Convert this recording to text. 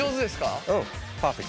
うんパーフェクトです。